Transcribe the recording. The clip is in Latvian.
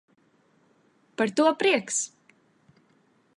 Par to prieks!